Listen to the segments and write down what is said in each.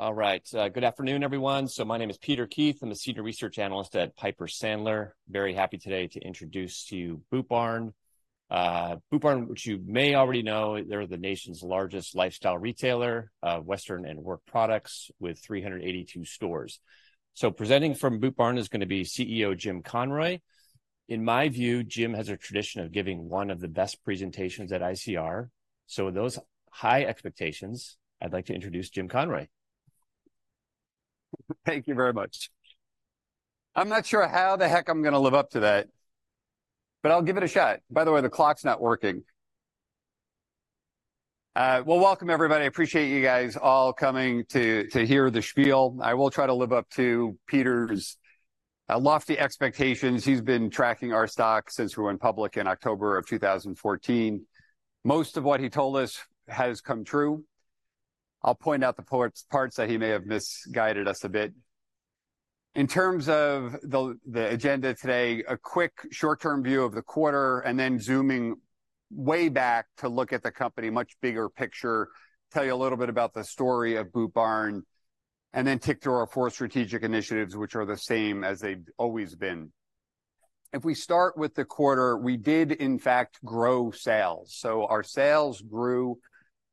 All right. Good afternoon, everyone. My name is Peter Keith. I'm a Senior Research Analyst at Piper Sandler. Very happy today to introduce to you Boot Barn. Boot Barn, which you may already know, they're the nation's largest lifestyle retailer of Western and work products, with 382 stores. Presenting from Boot Barn is gonna be CEO Jim Conroy. In my view, Jim has a tradition of giving one of the best presentations at ICR. With those high expectations, I'd like to introduce Jim Conroy. Thank you very much. I'm not sure how the heck I'm gonna live up to that, but I'll give it a shot. By the way, the clock's not working. Well, welcome, everybody. I appreciate you guys all coming to hear the spiel. I will try to live up to Peter's lofty expectations. He's been tracking our stock since we went public in October of 2014. Most of what he told us has come true. I'll point out the parts that he may have misguided us a bit. In terms of the agenda today, a quick short-term view of the quarter, and then zooming way back to look at the company, much bigger picture, tell you a little bit about the story of Boot Barn, and then tick through our four strategic initiatives, which are the same as they've always been. If we start with the quarter, we did, in fact, grow sales. So our sales grew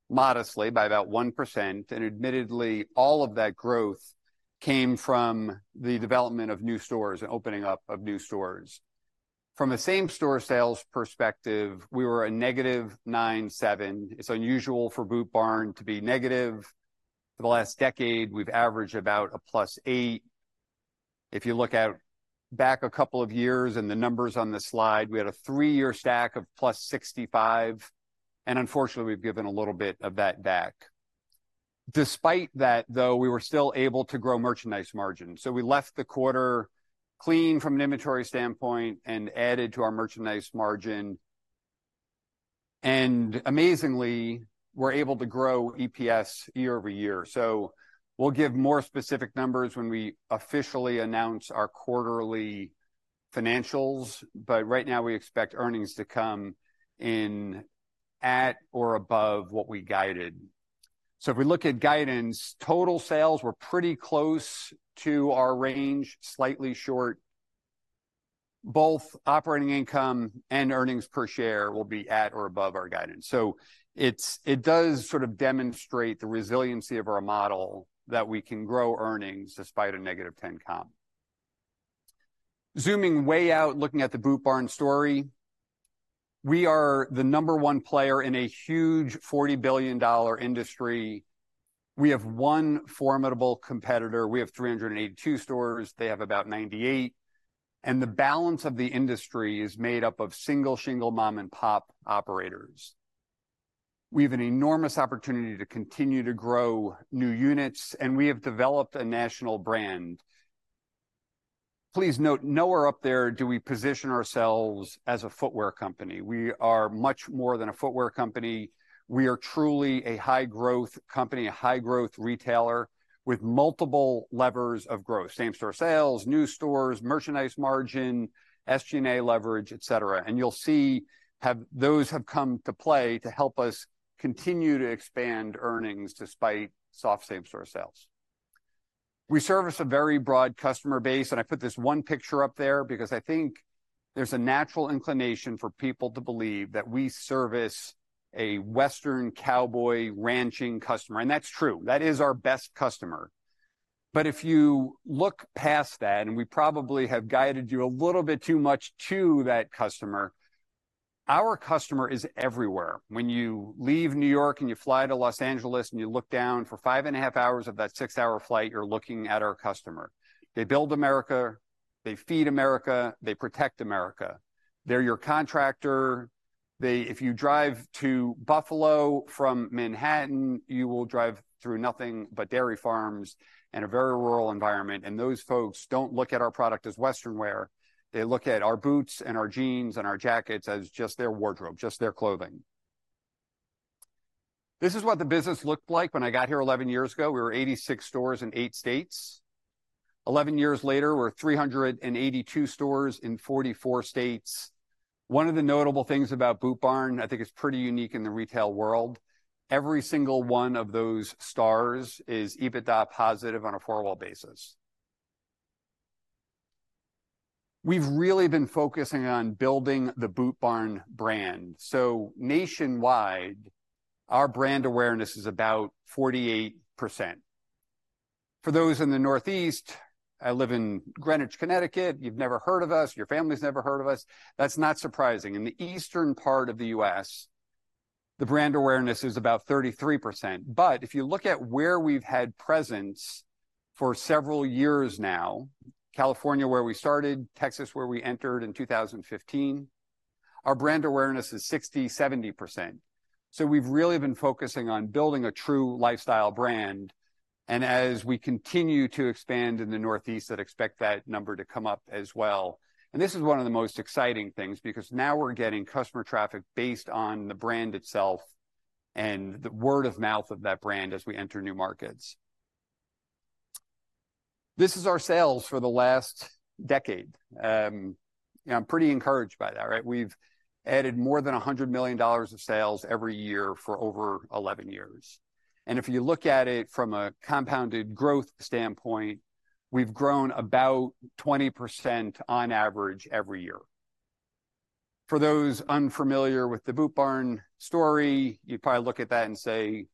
modestly by about 1%, and admittedly, all of that growth came from the development of new stores and opening up of new stores. From a same store sales perspective, we were -9.7%. It's unusual for Boot Barn to be negative. For the last decade, we've averaged about +8%. If you look out, back a couple of years and the numbers on the slide, we had a three-year stack of +65%, and unfortunately, we've given a little bit of that back. Despite that, though, we were still able to grow merchandise margin. So we left the quarter clean from an inventory standpoint and added to our merchandise margin, and amazingly, we're able to grow EPS year-over-year. So we'll give more specific numbers when we officially announce our quarterly financials, but right now, we expect earnings to come in at or above what we guided. So if we look at guidance, total sales were pretty close to our range, slightly short. Both operating income and earnings per share will be at or above our guidance. So it does sort of demonstrate the resiliency of our model, that we can grow earnings despite a negative 10 comp. Zooming way out, looking at the Boot Barn story, we are the number one player in a huge $40 billion industry. We have one formidable competitor. We have 382 stores. They have about 98. The balance of the industry is made up of single-shingle mom-and-pop operators. We have an enormous opportunity to continue to grow new units, and we have developed a national brand. Please note, nowhere up there do we position ourselves as a footwear company. We are much more than a footwear company. We are truly a high-growth company, a high-growth retailer with multiple levers of growth. Same-store sales, new stores, merchandise margin, SG&A leverage, et cetera. And you'll see, those have come to play to help us continue to expand earnings despite soft same-store sales. We service a very broad customer base, and I put this one picture up there because I think there's a natural inclination for people to believe that we service a Western cowboy ranching customer, and that's true. That is our best customer. But if you look past that, and we probably have guided you a little bit too much to that customer, our customer is everywhere. When you leave New York, and you fly to Los Angeles, and you look down for 5.5 hours of that 6-hour flight, you're looking at our customer. They build America, they feed America, they protect America. They're your contractor. If you drive to Buffalo from Manhattan, you will drive through nothing but dairy farms and a very rural environment, and those folks don't look at our product as Western wear. They look at our boots and our jeans and our jackets as just their wardrobe, just their clothing. This is what the business looked like when I got here 11 years ago. We were 86 stores in eight states. 11 years later, we're 382 stores in 44 states. One of the notable things about Boot Barn, I think it's pretty unique in the retail world, every single one of those stores is EBITDA positive on a four-wall basis. We've really been focusing on building the Boot Barn brand. So nationwide, our brand awareness is about 48%. For those in the Northeast, I live in Greenwich, Connecticut, you've never heard of us, your family's never heard of us. That's not surprising. In the eastern part of the U.S., the brand awareness is about 33%. But if you look at where we've had presence for several years now, California, where we started, Texas, where we entered in 2015, our brand awareness is 60%-70%. So we've really been focusing on building a true lifestyle brand, and as we continue to expand in the Northeast, I'd expect that number to come up as well. And this is one of the most exciting things, because now we're getting customer traffic based on the brand itself and the word of mouth of that brand as we enter new markets. This is our sales for the last decade. And I'm pretty encouraged by that, right? We've added more than $100 million of sales every year for over 11 years. And if you look at it from a compounded growth standpoint, we've grown about 20% on average every year. For those unfamiliar with the Boot Barn story, you'd probably look at that and say,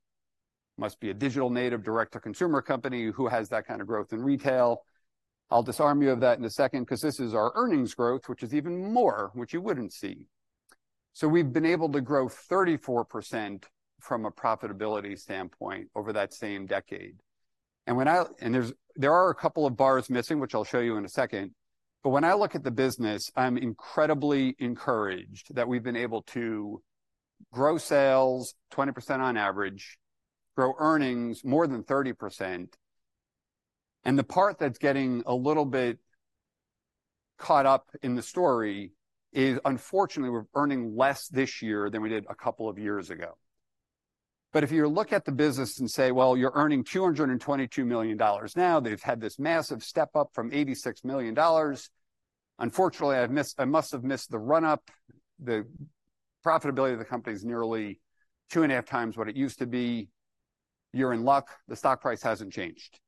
"Must be a digital native, direct-to-consumer company. Who has that kind of growth in retail?" I'll disarm you of that in a second, 'cause this is our earnings growth, which is even more, which you wouldn't see. So we've been able to grow 34% from a profitability standpoint over that same decade. And there are a couple of bars missing, which I'll show you in a second, but when I look at the business, I'm incredibly encouraged that we've been able to grow sales 20% on average, grow earnings more than 30%, and the part that's getting a little bit caught up in the story is, unfortunately, we're earning less this year than we did a couple of years ago. But if you look at the business and say, "Well, you're earning $222 million now," they've had this massive step up from $86 million. Unfortunately, I've missed. I must have missed the run-up. The profitability of the company is nearly two and a half times what it used to be. You're in luck, the stock price hasn't changed.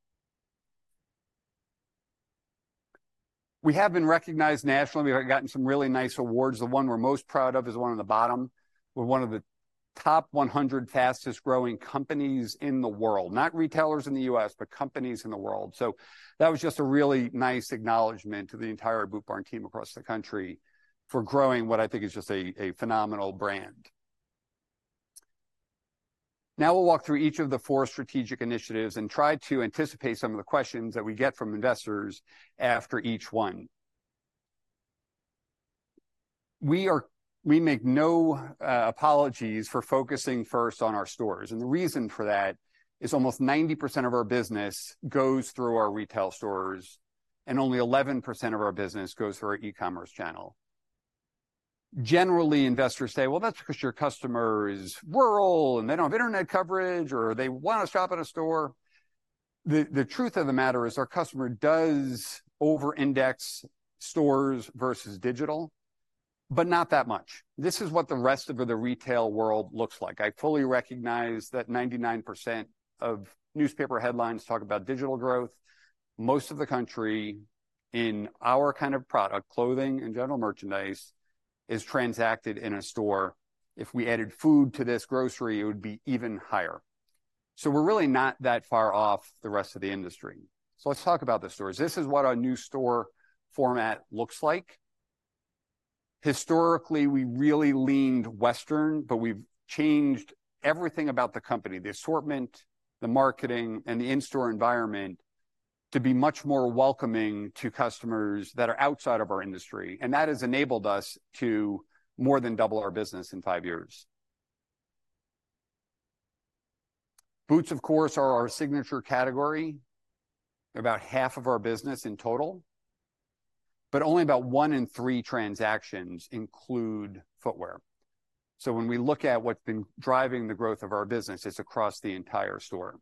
We have been recognized nationally. We've gotten some really nice awards. The one we're most proud of is the one on the bottom. We're one of the top 100 fastest-growing companies in the world, not retailers in the U.S., but companies in the world. So that was just a really nice acknowledgement to the entire Boot Barn team across the country for growing what I think is just a phenomenal brand. Now we'll walk through each of the four strategic initiatives and try to anticipate some of the questions that we get from investors after each one. We make no apologies for focusing first on our stores, and the reason for that is almost 90% of our business goes through our retail stores, and only 11% of our business goes through our e-commerce channel. Generally, investors say, "Well, that's because your customer is rural, and they don't have internet coverage, or they want to shop at a store." The truth of the matter is our customer does over-index stores versus digital, but not that much. This is what the rest of the retail world looks like. I fully recognize that 99% of newspaper headlines talk about digital growth. Most of the country, in our kind of product, clothing and general merchandise, is transacted in a store. If we added food to this grocery, it would be even higher. So we're really not that far off the rest of the industry. So let's talk about the stores. This is what our new store format looks like. Historically, we really leaned Western, but we've changed everything about the company, the assortment, the marketing, and the in-store environment, to be much more welcoming to customers that are outside of our industry, and that has enabled us to more than double our business in five years. Boots, of course, are our signature category. They're about half of our business in total, but only about one in three transactions include footwear. So when we look at what's been driving the growth of our business, it's across the entire store.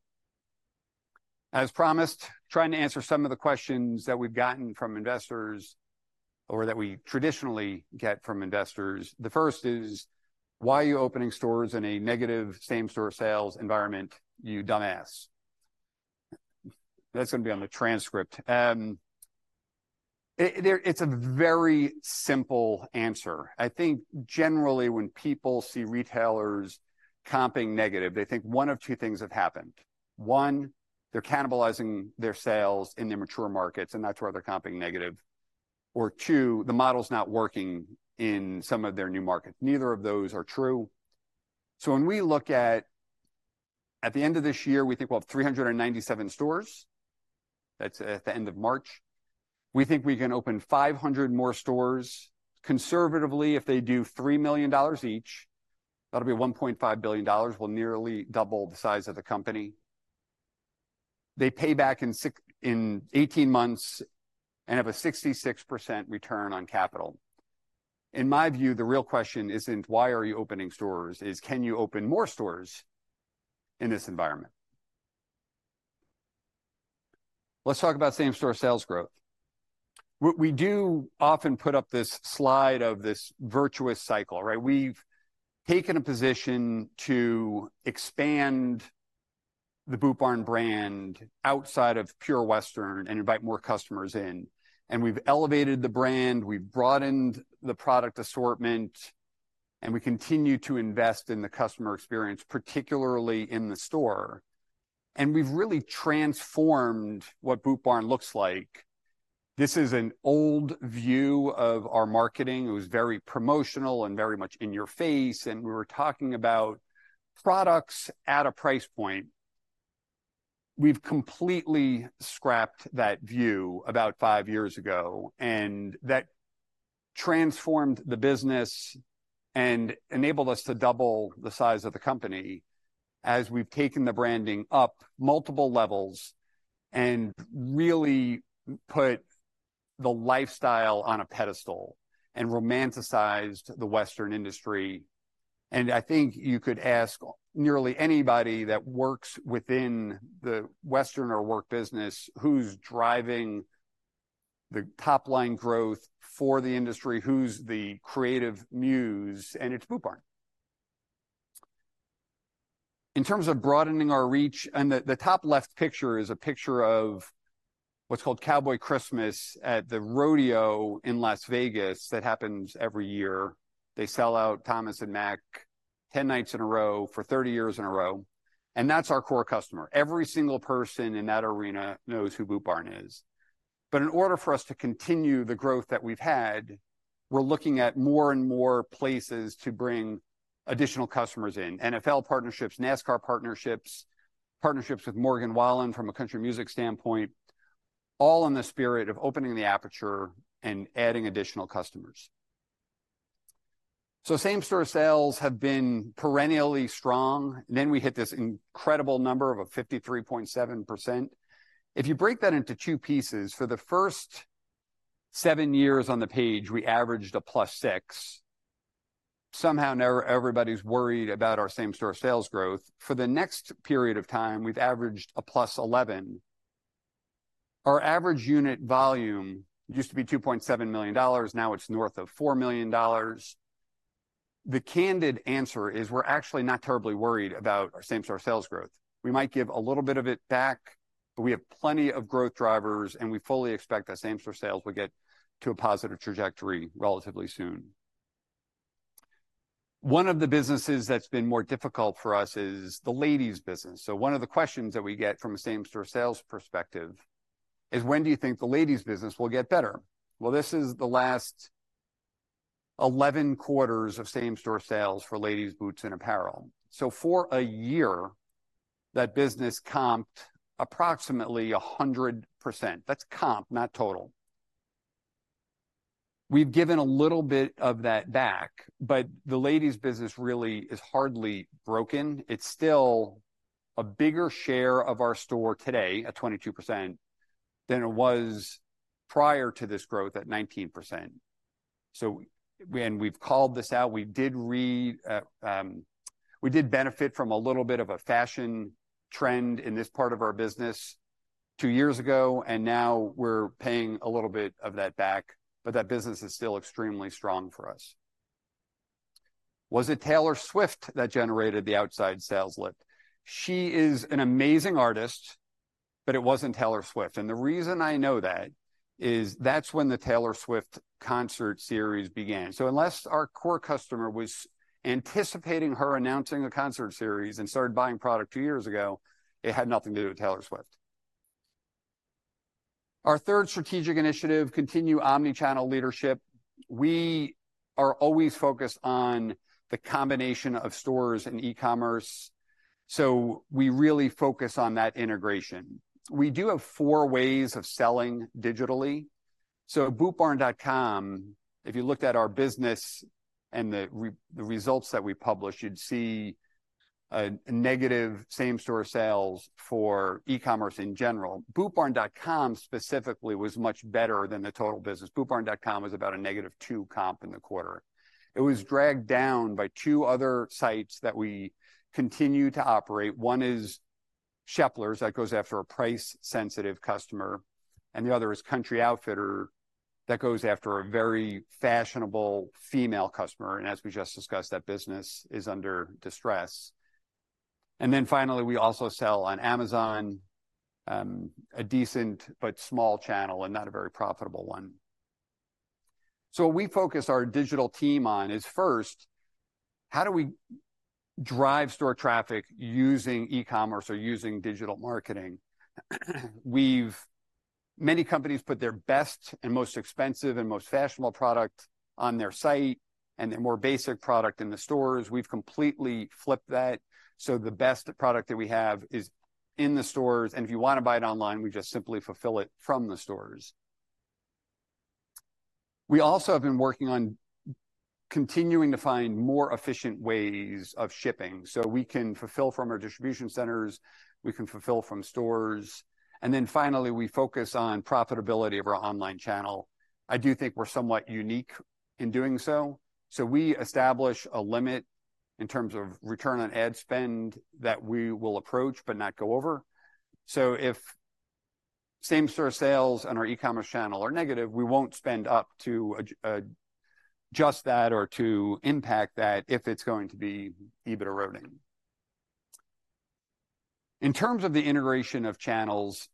As promised, trying to answer some of the questions that we've gotten from investors or that we traditionally get from investors. The first is, "Why are you opening stores in a negative same-store sales environment, you dumbass?" That's gonna be on the transcript. It's a very simple answer. I think generally, when people see retailers comping negative, they think one of two things have happened. One, they're cannibalizing their sales in their mature markets, and that's why they're comping negative. Or two, the model's not working in some of their new markets. Neither of those are true. So when we look at the end of this year, we think we'll have 397 stores. That's at the end of March. We think we can open 500 more stores. Conservatively, if they do $3 million each, that'll be $1.5 billion. We'll nearly double the size of the company. They pay back in eighteen months and have a 66% return on capital. In my view, the real question isn't why are you opening stores?, is can you open more stores in this environment? Let's talk about same-store sales growth. What we do often put up this slide of this virtuous cycle, right? We've taken a position to expand the Boot Barn brand outside of pure Western and invite more customers in, and we've elevated the brand, we've broadened the product assortment, and we continue to invest in the customer experience, particularly in the store. And we've really transformed what Boot Barn looks like. This is an old view of our marketing. It was very promotional and very much in your face, and we were talking about products at a price point. We've completely scrapped that view about five years ago, and that transformed the business and enabled us to double the size of the company as we've taken the branding up multiple levels and really put the lifestyle on a pedestal and romanticized the Western industry. I think you could ask nearly anybody that works within the Western or work business, who's driving the top-line growth for the industry? Who's the creative muse? And it's Boot Barn. In terms of broadening our reach, and the top left picture is a picture of what's called Cowboy Christmas at the rodeo in Las Vegas that happens every year. They sell out Thomas & Mack 10 nights in a row for 30 years in a row, and that's our core customer. Every single person in that arena knows who Boot Barn is. But in order for us to continue the growth that we've had, we're looking at more and more places to bring additional customers in: NFL partnerships, NASCAR partnerships, partnerships with Morgan Wallen from a country music standpoint, all in the spirit of opening the aperture and adding additional customers. So same-store sales have been perennially strong, and then we hit this incredible number of a 53.7%. If you break that into two pieces, for the first seven years on the page, we averaged a +6%. Somehow, everybody's worried about our same-store sales growth. For the next period of time, we've averaged a +11%. Our average unit volume used to be $2.7 million, now it's worth of $4 million. The candid answer is, we're actually not terribly worried about our same-store sales growth. We might give a little bit of it back, but we have plenty of growth drivers, and we fully expect that same-store sales will get to a positive trajectory relatively soon. One of the businesses that's been more difficult for us is the ladies' business. So one of the questions that we get from a same-store sales perspective is, when do you think the ladies' business will get better? Well, this is the last 11 quarters of same-store sales for ladies' boots and apparel. So for a year, that business comped approximately 100%. That's comp, not total. We've given a little bit of that back, but the ladies' business really is hardly broken. It's still a bigger share of our store today, at 22%, than it was prior to this growth, at 19%. So we've called this out. We did benefit from a little bit of a fashion trend in this part of our business two years ago, and now we're paying a little bit of that back, but that business is still extremely strong for us. Was it Taylor Swift that generated the outside sales lift? She is an amazing artist, but it wasn't Taylor Swift, and the reason I know that is that's when the Taylor Swift concert series began. So unless our core customer was anticipating her announcing a concert series and started buying product two years ago, it had nothing to do with Taylor Swift. Our third strategic initiative, continue omnichannel leadership. We are always focused on the combination of stores and e-commerce, so we really focus on that integration. We do have four ways of selling digitally. So at bootbarn.com, if you looked at our business and the results that we publish, you'd see a negative same-store sales for e-commerce in general. bootbarn.com, specifically, was much better than the total business. bootbarn.com was about a negative 2 comp in the quarter. It was dragged down by two other sites that we continue to operate. One is Sheplers, that goes after a price-sensitive customer, and the other is Country Outfitter, that goes after a very fashionable female customer, and as we just discussed, that business is under distress. Then finally, we also sell on Amazon, a decent but small channel, and not a very profitable one. So what we focus our digital team on is, first, how do we drive store traffic using e-commerce or using digital marketing? Many companies put their best and most expensive and most fashionable product on their site and the more basic product in the stores. We've completely flipped that, so the best product that we have is in the stores, and if you want to buy it online, we just simply fulfill it from the stores. We also have been working on continuing to find more efficient ways of shipping, so we can fulfill from our distribution centers. We can fulfill from stores. And then finally, we focus on profitability of our online channel. I do think we're somewhat unique in doing so. So we establish a limit in terms of return on ad spend that we will approach, but not go over. So if same-store sales on our e-commerce channel are negative, we won't spend up to adjust that or to impact that, if it's going to be EBIT-eroding. In terms of the integration of channels,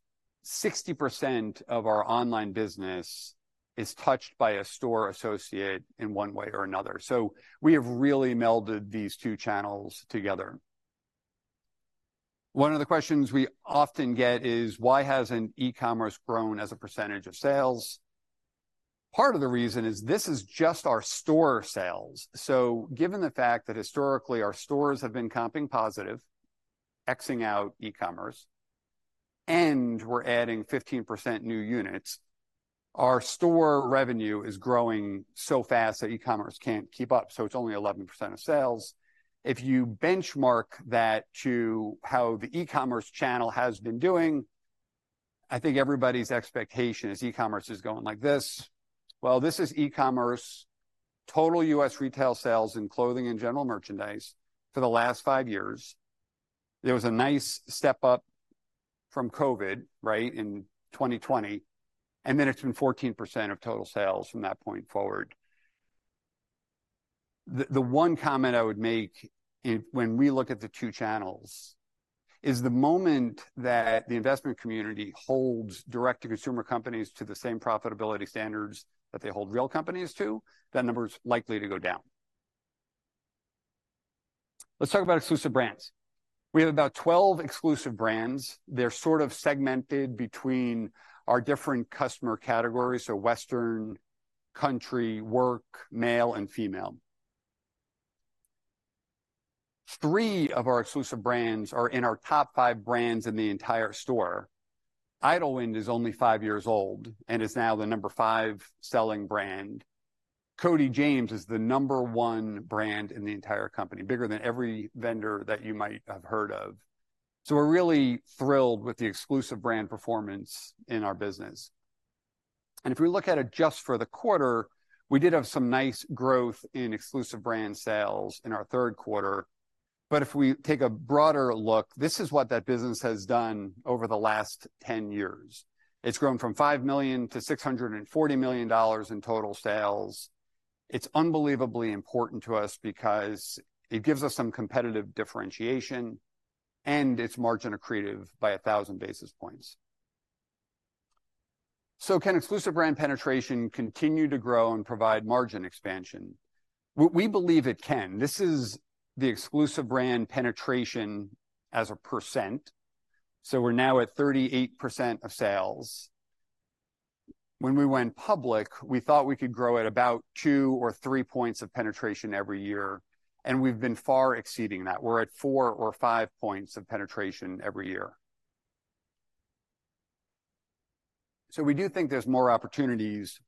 60% of our online business is touched by a store associate in one way or another, so we have really melded these two channels together. One of the questions we often get is, why hasn't e-commerce grown as a percentage of sales? Part of the reason is this is just our store sales. So given the fact that historically, our stores have been comping positive, x-ing out e-commerce, and we're adding 15% new units, our store revenue is growing so fast that e-commerce can't keep up, so it's only 11% of sales. If you benchmark that to how the e-commerce channel has been doing. I think everybody's expectation is e-commerce is going like this. Well, this is e-commerce, total U.S. retail sales in clothing and general merchandise for the last five years. There was a nice step up from COVID, right, in 2020, and then it's been 14% of total sales from that point forward. The one comment I would make, when we look at the two channels, is the moment that the investment community holds direct-to-consumer companies to the same profitability standards that they hold real companies to, that number's likely to go down. Let's talk about exclusive brands. We have about 12 exclusive brands. They're sort of segmented between our different customer categories: Western, country, work, male, and female. three of our exclusive brands are in our top fivebrands in the entire store. Idyllwind is only five years old and is now the number 5 selling brand. Cody James is the number one brand in the entire company, bigger than every vendor that you might have heard of. So we're really thrilled with the exclusive brand performance in our business. If we look at it just for the quarter, we did have some nice growth in exclusive brand sales in our third quarter. If we take a broader look, this is what that business has done over the last 10 years. It's grown from $5 million to $640 million in total sales. It's unbelievably important to us because it gives us some competitive differentiation, and it's margin accretive by 1,000 basis points. So can exclusive brand penetration continue to grow and provide margin expansion? We believe it can. This is the exclusive brand penetration as a percent, so we're now at 38% of sales. When we went public, we thought we could grow at about two or three points of penetration every year, and we've been far exceeding that. We're at four or five points of penetration every year. So we do think there's more opportunities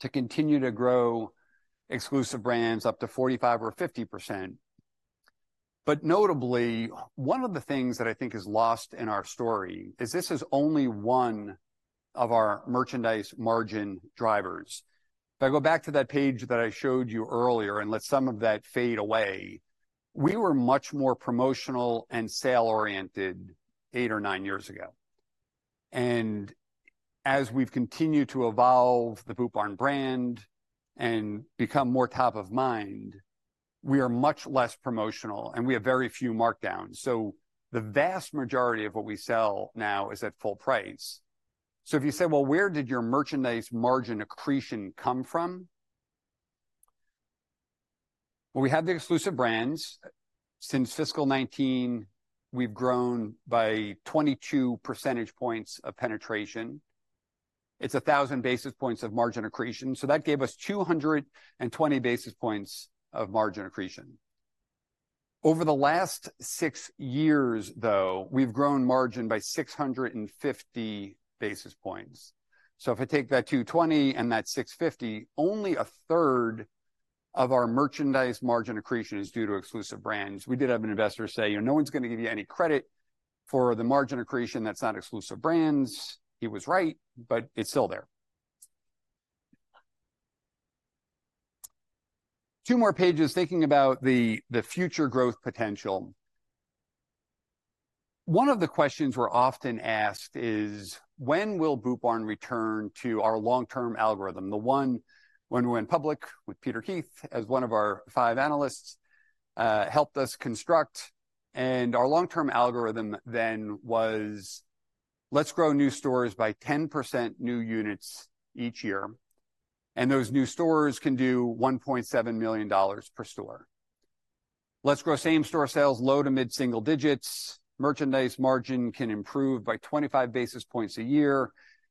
to continue to grow exclusive brands up to 45%-50%. But notably, one of the things that I think is lost in our story is this is only one of our merchandise margin drivers. If I go back to that page that I showed you earlier and let some of that fade away, we were much more promotional and sale-oriented eight or nine years ago. And as we've continued to evolve the Boot Barn brand and become more top of mind, we are much less promotional, and we have very few markdowns. So the vast majority of what we sell now is at full price. So if you say, "Well, where did your merchandise margin accretion come from?" Well, we have the exclusive brands. Since fiscal 2019, we've grown by 22 percentage points of penetration. It's 1000 basis points of margin accretion, so that gave us 220 basis points of margin accretion. Over the last six years, though, we've grown margin by 650 basis points. So if I take that 220 and that 650, only a third of our merchandise margin accretion is due to exclusive brands. We did have an investor say, "You know, no one's going to give you any credit for the margin accretion that's not exclusive brands." He was right, but it's still there. Two more pages, thinking about the future growth potential. One of the questions we're often asked is: When will Boot Barn return to our long-term algorithm, the one when we went public with Peter Keith, as one of our five analysts, helped us construct? Our long-term algorithm then was, "Let's grow new stores by 10% new units each year, and those new stores can do $1.7 million per store. Let's grow same-store sales low to mid-single digits. Merchandise margin can improve by 25 basis points a year,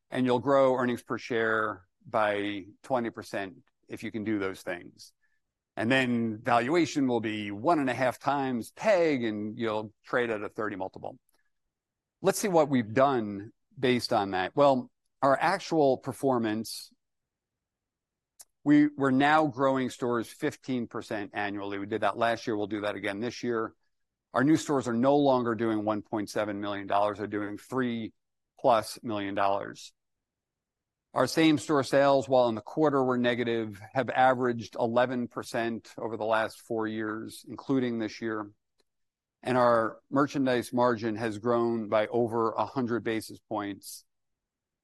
and you'll grow earnings per share by 20% if you can do those things. And then valuation will be 1.5x PEG, and you'll trade at a 30x multiple." Let's see what we've done based on that. Well, our actual performance, we're now growing stores 15% annually. We did that last year, we'll do that again this year. Our new stores are no longer doing $1.7 million, they're doing $3+ million. Our same-store sales, while in the quarter were negative, have averaged 11% over the last four years, including this year. Our merchandise margin has grown by over 100 basis points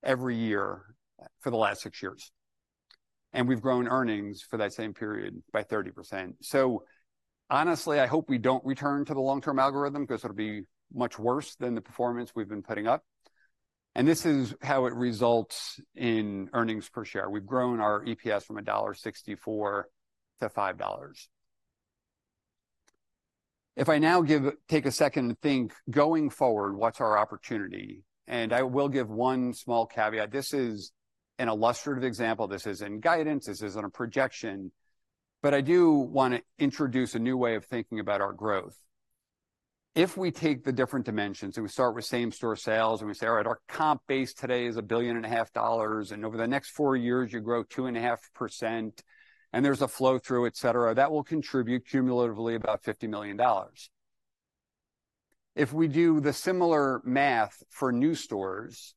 every year for the last six years, and we've grown earnings for that same period by 30%. So honestly, I hope we don't return to the long-term algorithm, because it'll be much worse than the performance we've been putting up. This is how it results in earnings per share. We've grown our EPS from $1.64 to $5. If I now take a second to think, going forward, what's our opportunity? I will give one small caveat. This is an illustrative example. This is in guidance. This isn't a projection. But I do want to introduce a new way of thinking about our growth. If we take the different dimensions, and we start with same-store sales, and we say, "All right, our comp base today is $1.5 billion," and over the next four years, you grow 2.5%, and there's a flow-through, et cetera, that will contribute cumulatively about $50 million. If we do the similar math for new stores,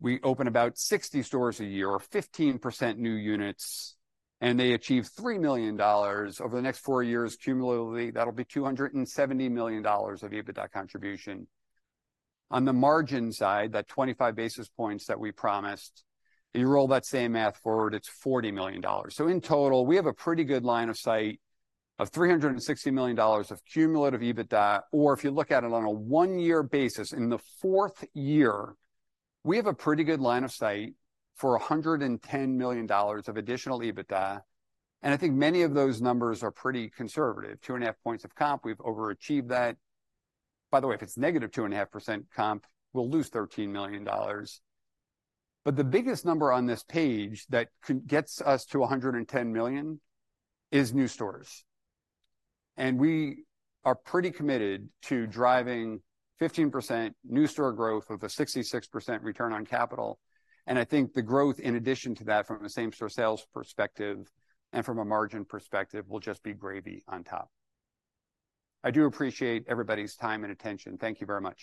we open about 60 stores a year, or 15% new units, and they achieve $3 million over the next four years cumulatively, that'll be $270 million of EBITDA contribution. On the margin side, that 25 basis points that we promised, you roll that same math forward, it's $40 million. So in total, we have a pretty good line of sight of $360 million of cumulative EBITDA, or if you look at it on a one-year basis, in the fourth year, we have a pretty good line of sight for $110 million of additional EBITDA, and I think many of those numbers are pretty conservative. 2.5 points of comp, we've overachieved that. By the way, if it's -2.5% comp, we'll lose $13 million. But the biggest number on this page that gets us to $110 million is new stores, and we are pretty committed to driving 15% new-store growth with a 66% return on capital. I think the growth in addition to that, from a same-store sales perspective and from a margin perspective, will just be gravy on top. I do appreciate everybody's time and attention. Thank you very much.